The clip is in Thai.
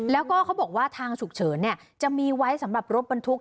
แล้วก็เขาบอกว่าทางฉุกเฉินจะมีไว้สำหรับรถบรรทุก